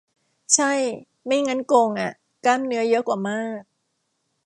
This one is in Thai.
ใช่ ไม่งั้นโกงอะ กล้ามเนื้อเยอะกว่ามาก